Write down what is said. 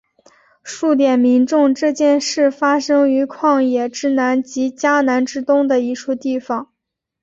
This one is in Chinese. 数点民众这件事发生于旷野之南及迦南之东的一处地方。